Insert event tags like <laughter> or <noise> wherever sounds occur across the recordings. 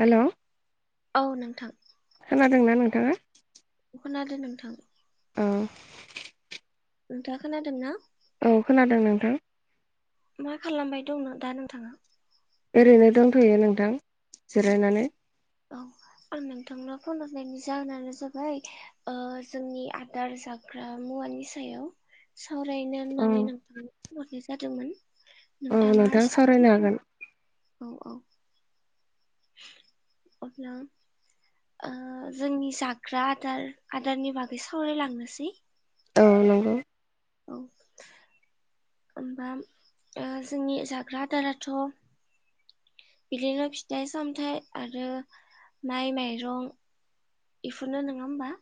Hello औ नोंथां। दोंना नोंथाङा खोनादों नोंथां। औ नोंथाङा खोनादोंना। औ खोनादों नोंथां। मा खालामबाय दं दा नोंथाङा? ओरैनो दंथ'यो नोंथां। जिरायनानै औ-औ आं नोंथांनाव। फन हरनायनि जाहोनानो जाबाय ओ जोंनि आदार जाग्रा मुवानि सायाव। सावरायनो औ होननानै नांथां हरनाय जादोंमोन। औ नोंथां सावरायनो नोंथाङासो हागोन औ-औ। अब्ला। ओ जोंनि जाग्रा आदार-आदारनि बागै सावरायलांनोसै। औ नंगौ। औ। माबा जोंनि जाग्रा आदाराथ'। बिदिनो फिथाइ-सामथाइ आरो माइ, माइरं। इफोरनो नोङा होमबा?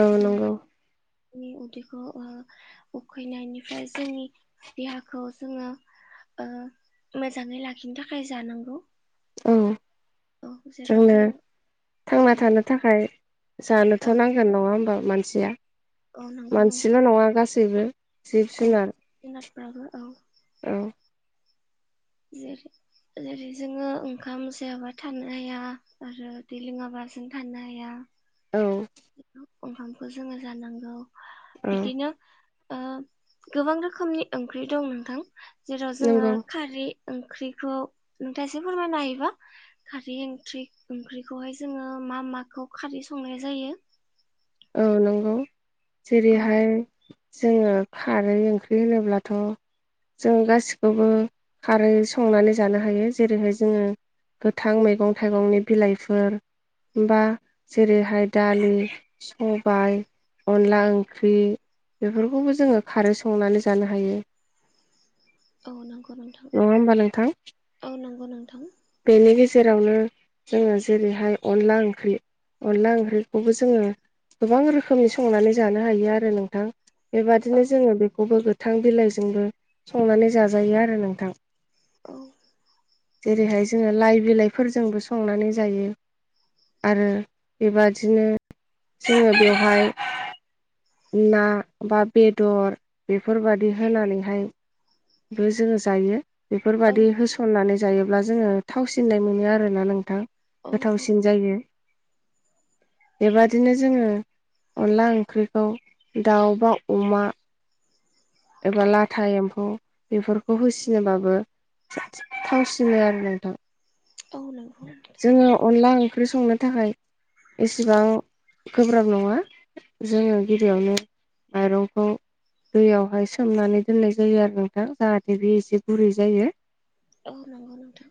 औ नंगौ‌। जोंनि उदैखौ ओ उखैनायनिफ्राय जोंनि देहाखौ जोङो। ओ मोजाङै लाखिनो थाखाय जानांगौ। औ औ जेराव जोंनो जों थांना औ थानो थाखाय जानोथ' औ नांगोन नङा होमबा? औ नंगौ नोंथां मानसिया-मानसिल' नङा गासैबो। जिब औ जुनार जुनादफ्राबो औ। औ जेरै जोङो ओंखाम जायाबा थानो हाया आरो दै लोङाबा। बसिन थानो हाया। औ‌ ओंखामखौ जोङो जानांगौ बिदिनो‌ ओ गोबां रोखोमनि ओंख्रि दं नोंथां जेराव जोङो नंगौ खारै। ओंख्रिखौ नोंथाङा एसे फोरमायनो हायोबा खारै ओंख्रि-ओंख्रिखौहाय जोङो। मा-माखौ खारै संनाय जायो? औ नंगौ औ जेरैहाय। जोङो खारै ओंख्रि होनोब्लाथ'। जों गासिखौबो खारै संनानै जानो हायो जेरैहाय जोङो। गोथां मैगं-थाइगंनि बिलाइफोर बा जेरैहाय दालि। सबाय, अनला ओंख्रि। बेफोरखौबो जोङो खारै संनानै जानो हायो। औ नंगौ नोंथां नङा होमबा नोंथां औ नंगौ नोंथां‌। जेरावनो जोङो जेरैहाय अनला ओंख्रि-अनला ओंख्रिखौबो जोङो। गोबां रोखोमनि संनानै जानो हायो आरो नोंथां औ बेबादिनो जोङो बेखौबो गो। थां बिलाइजोंबो संनानै जाजायो आरो नोंथां। ओ। जेरैहाय जोङो लाइ बिलाइफोरजोंबो संनानै जायो। आरो बेबादिनो जोङो बेवहाय। ना बा बेदर बेफोरबायदि होनानैहाय। बो जोङो जायो। औ बेफोरबायदि होसननानै जायोब्ला जोङो थावसिननाय मोनो आरोना नोंथां‌। औ औ गोथावसिन जायो। बेबादिनो जोङो अनला ओंख्रिखौ दाउ बा अमा। एबा लाथा एम्फौ बेफोरखौ होसिनोबाबो‌। थावसिनो आरो नोंथां औ नंगौ नोंथां जोङो अनला ओं। ओंख्रि संनो थाखाय‌। एसेबां गोब्राब नङा जोङो गिबियावनो। माइरंखौ दैयावहाय। सोमनानै दोननाय जायो आरो नोंथां जाहाथे बे एसे गुरै जायो। औ नंगौ नोंथां।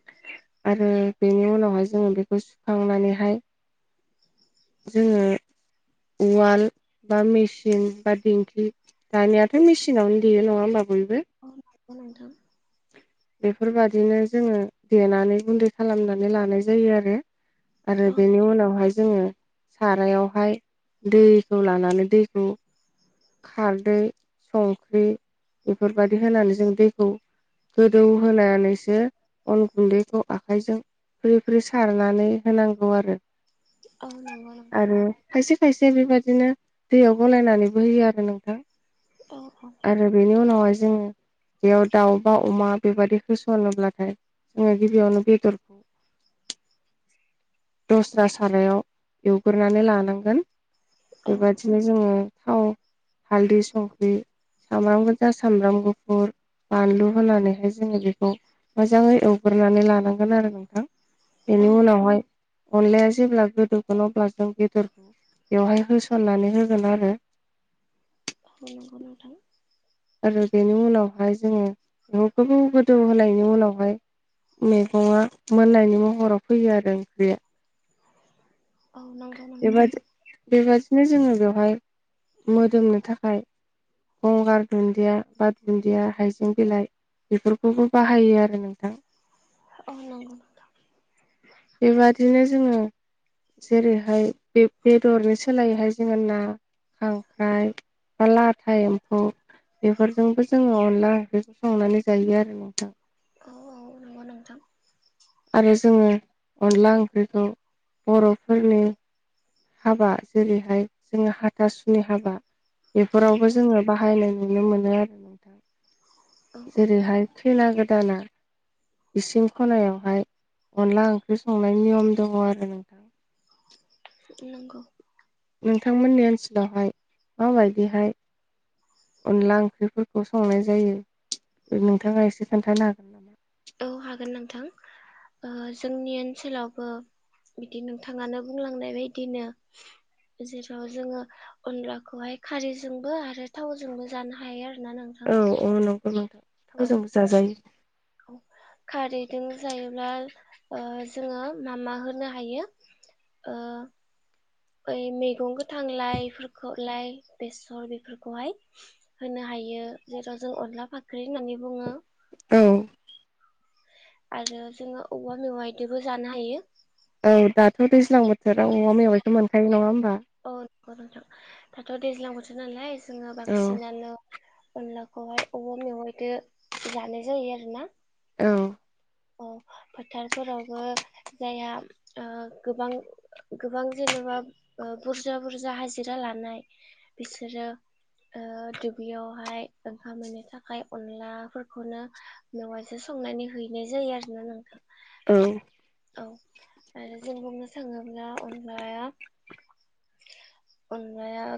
आरो बेनि उनावहाय जोङो बेखौ सुखांनानैहाय जोङो उवाल बा मेसिन बा दिंखि दानियाथ मेसिन आवनो देयो नङा होनबा? औ नंगौ नोंथां बेफोरबादिनो जोङो देनानै गुन्दै खालामनानै लानाय जायो आरो। आरो औ बेनि उनावहाय जोङो सारायावहाय दैखौ लानानै दैखौ खारदै संख्रि बेफोरबायदि होनानै जों दैखौ गोदौ होनानैसो अन गुन्दैखौ आखाइजों फ्रि फ्रि सारनानै होनांगौ आरो। औ नंगौ नोंथां आरो खायसे खायसे बेबायदिनो दैयाव गलायनानैबो होयो आरो नोंथां औ आरो बेनि उनावहाय जोङो बेयाव दाउ बा अमा बेबायदि होसनोब्लाथाय ओ गिबियावनो बेफो <inaudible> दस्रा सारायाव एवग्रोनानै लानांगोन औ बेबादिनो जोङो थाव हालदै संख्रि सामब्राम गोजा सामब्राम गुफुर बानलु होनानैहाय जोङो बेखौ मोजाङै एवग्रोनानै लानांगोन आरो नोंथां। बेनि औ उनावहाय अनलाया जेब्ला गोदौगोन अब्ला जों बेदेर बेवहाय होसननानै होगोन आरो औ नंगौ नोंथां आरो बेनि उनावहाय जोङो बेखौ गोबाव गोदौ होनायनि उनावहाय मैगङा मोननायनि महराव फैयो आरो ओंख्रिया। औ नंगौ नोंथां बिदिनो जोङो बेवहाय मोदोमनो थाखाय गंगार दुन्दिया बा दुन्दिया हाइजें बिलाइ बेफोरखौबो बाहायो आरो नोंथां औ नंगौ नोंथां बेबादिनो जोङो जेरैहाय बे बेदरनि सोलायैहाय जोङो ना खांख्राइ बा लाथा एम्फौ बेफोरजोंबो जोङो अनला ओंख्रिखौ संनानै जायो आरो नोंथां। औ औ नंगौ नोंथां आरो जोङो अनला ओंख्रिखौ बरफोरनि हाबा जेरैहाय जोङो हाथासुनि हाबा बेफोरावबो औ जोङो बाहायनाय नुनो मोनो आरो नोंथां औ औ जेरैहाय खैना गोदाना इसिं खनायावहाय अनला ओंख्रि संनायनि नियम दङ आरो नोंथां नंगौ नोंथांमोननि ओनसोलावहाय माबायदिहाय अनला ओंख्रिफोरखौ संनाय जायो नोंथाङा एसे खोन्थानो हागोन औ हागोन नोंथां ओ जोंनि आ ओनसोलावबो बिदि नोंथाङानो बुंलांनाय बायदिनो जेराव जोङो अनलाखौहाय खारैजोंबो आरो थावजोंबो जानो हायो आरो ना नोंथां औ औ नंगौ <unintelligible> औ जाजायो औ खारैजों जायोब्ला ओ जोङो मा मा होनो हायो ओ ओइ मैगं गोथां लायफोरखौलाय बेसर बेफोरखौहाय होनो हायो। हायो जेराव जों अनला फाख्रि होननानै बुङो। औ आरो जोङो औवा मेवाय बिदिबो जानो हायो औ दाथ' दैज्लां बोथोराव औवा मेवाइखौ मोनखायो नङा औ गौ नोंथां' दाथ' दैज्लां बोथोर नालाय जोङो औ बांसिनानो अनलाखौहाय औवा मेवाइदो जानाय जायो आरो ना औ अ फोथारफोरावबो जाया ओ गोबां गोबां जेन' जेनबा बुरजा बुरजा हाजिरा लानाय बिसोरो ओ दुब्लियावहाय ओंखाम हैनो थाखाय अनलाफोरखौनो मेवायजों सं नानै हैनाय जायो आरोना नोंथां औ औ आरो जों बुंनो थाङोब्ला अनलाया अनलाया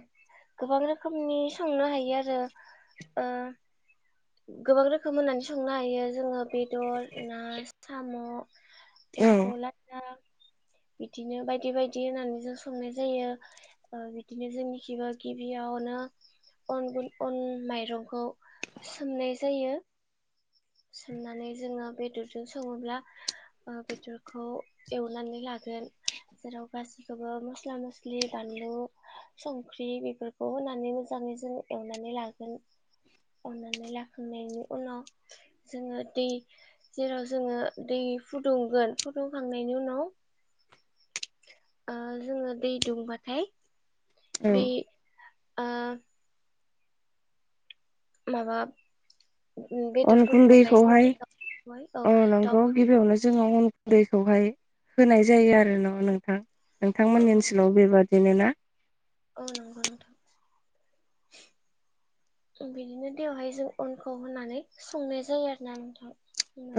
गोबां रोखोमनि संनो हायो आरो ओ गोबां रोखोम होननानै संनो हायो जोङो बेदर ना साम' ए बला बिदिनो बायदि बायदि होननानै जों संनाय जायो बिदिनो जोंनिखि गिबियाव नो अन माइरंखौ सोमनाय जायो सोमनानै जोङो बेदरजों सङोब्ला बेदरखौ एवनानै लागोन जेराव गासिखौबो मस्ला मस्लि बानलु संख्रि बेफोरखौ होनानै मोजाङै जों एवनानै लागोन अननानै लाखांयनायनि उनाव जोङो दै जेराव जोङो दै फुदुंगोन फुदुंखांनायनि उनाव ओ जोङो दै दुंबाथाय औ बे ओ माबा अन बेदरफोरखौहाय जों गुन्दैखौहाय औ ओ दाउ नंगौ गिबियावनो जोङो अन दैखौहाय होनाय जायो आरो न' नोंथां औ नोंथांमोननि ओनसोलाव बेबादिनो ना औ नंगौ नोंथां बिदिनो दैवहाय जों अनखौ होनानै संनाय जायो आरोना नोंथां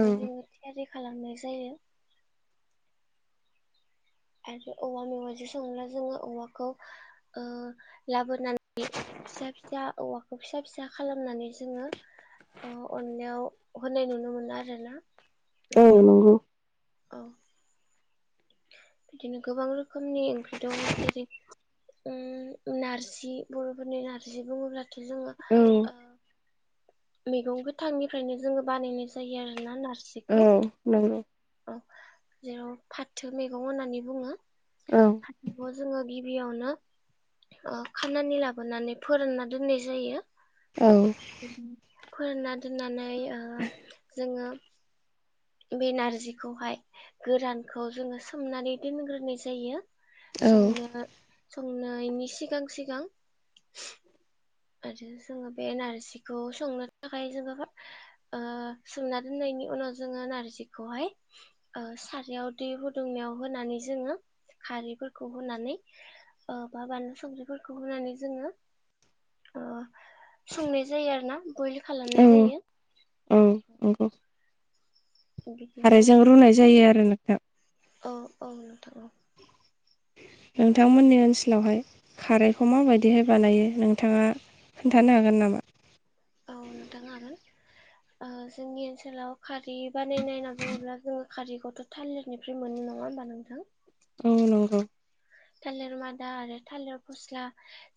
औ जोङो थियारि खालामनाय जायो आरो औवा मेवाजों संब्ला जोङो औवाखौ ओ लाबोनानै फिसा फिसा औवाखौ फिसा फिसा खालामनानै जोङो ओ अननायाव होनाय नुनो मोनो आरो ना औ नंगौ औ बिदिनो गोबां रोखोमनि ओंख्रि दं जेरै ओम नारजि बर'फोरनि नारजि बुङोब्लाथ' जोङो औ मैगं गोथांनिफ्रायनो जोङो बानायनाय जायो आरोना नार औ नंगौ जेराव फाथो मैगं होननानै बुङो औ फाथोखौ जोङो गिबियावनो ओ खानानै लाबोनानै फोरानना दोननाय जायो औ फोरानना दोननानै ओ जोङो बे नारजिखौहाय गोरानखौ जोङो सोमनानै दोनग्रोनाय जायो औ संनो संनायनि सिगां सिगां। आरो जोङो बे नारजिखौ संनो थाखाय जोंङो सोमना दोननाय। बेनि उनाव जोङो नारजिखौहाय सारायाव दै फुदुंनायाव होनानै जोङो। खारैफोरखौ होनानै बा बानलु संख्रिफोरखौ होनानै जोंङो। संनाय जायो आरो ना। बयल औ खालामनाय जायो औ नंगौ बिदिनो खारैजों रुनाय जायो आरो नोंथां औ औ नोंथां औ नोंथांमोननि ओनसोलावहाय खारैखौ माबायदिहाय बानायो नोंथाङा खोन्थानो हागोन नामा? औ नोंथां हागोन ओ जोंनि ओनसोलाव खारै बानायनाय होनना बुङोब्ला जोङो खारिखौथ' थालिरनिफ्राय मोनो नङा होनबा नोंथां औ नंगौ थालिर मादा आरो थालिर फस्ला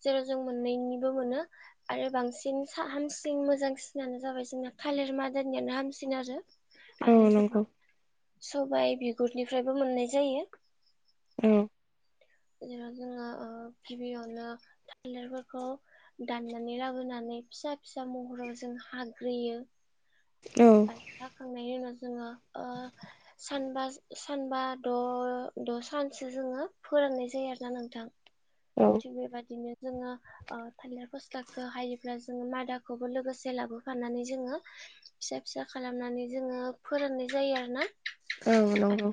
जेराव जों मोननैनिबो मोनो आरो बां सिन हामसिन मोजांसिनानो जाबाय जोंना थालिर मादानियानो हामसिन आरो औ नंगौ सबाय बिगुरनिफ्रायबो मोननाय जायो औ जेराव जोङो गिबियावनो थालिरफोरखौ दाननानै लाबोनानै फिसा फिसा महराव जों हाग्रोयो औ जांनायनि उनाव जोङो ओ सा सानबा द द सान जोङो फोराननाय जायो आरोना नोंथां थिग बेबायदिनो जोङो ओ थालिर फस्लाखौ हायोब्ला जोङो मादाखौबो लोगोसे लाबोफानानै जोङो फिसा फिसा खालामनानै जोङो फोरानाय जायो आरो ना औ नंगौ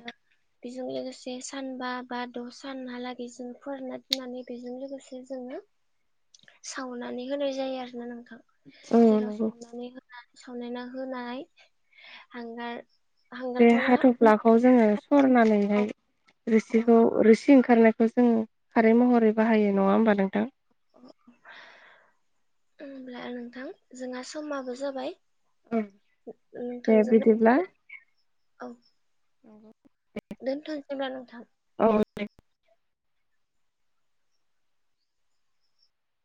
बेजों लोगोसे सानबा बा द' सानहालागै जों फोरानना दोननानै बेजों लोगोसे जोङो सावनानै होनाय जायो आरोना नोंथां औ जेराव नंगौ सावनानै होन सावनायना होनाय हांगार बे हांगारखौनो हाथ'फ्लाखौ जोङो औ सरनानैहाय औ रोसिखौ रोसि ओंखारनो खौ जोङो खारै महरै बाहायो नङा होमबा नोंथां <inaudible> होनब्ला नोंथां जोंहा समाबो जाबाय दे नोंथांजों बिदिब्ला दोनथसै होनब्ला नोंथां औ दे